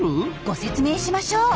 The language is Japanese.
ご説明しましょう。